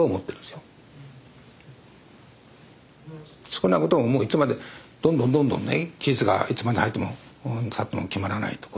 少なくとももういつまでどんどんどんどんね期日がいつまでたっても決まらないと。